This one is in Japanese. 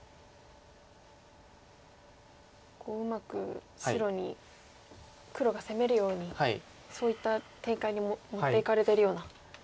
うまく白に黒が攻めるようにそういった展開に持っていかれてるような。